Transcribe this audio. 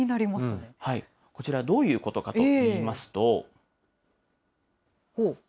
こちら、どういうことかといいますと。